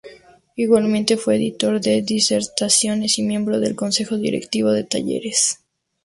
Igualmente, fue editor de "Disertaciones y" miembro del consejo directivo de "Talleres".